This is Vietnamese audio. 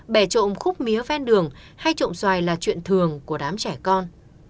bè trộm khúc mía ven đường hay trộm xoài là chuyện thường của đám trẻ con